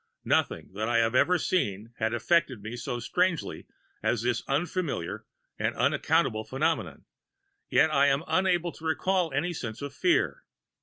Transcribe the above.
"Nothing that I had ever seen had affected me so strangely as this unfamiliar and unaccountable phenomenon, yet I am unable to recall any sense of fear.